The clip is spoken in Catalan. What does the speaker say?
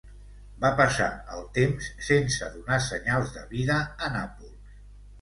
Va passar el temps sense donar senyals de vida a Nàpols.